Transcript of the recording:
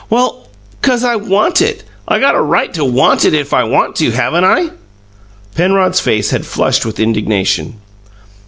"Well, 'cause I want it. I got a right to want it if I want to, haven't I?" Penrod's face had flushed with indignation.